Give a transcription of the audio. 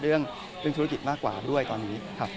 แนะนำไว้บ้างไหมครับ